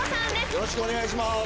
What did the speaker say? よろしくお願いします。